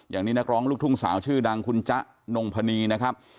อย่างนี้นักร้องลูกทุ่งสาวชื่อดังคุณจ๊ะนงพนีนะครับ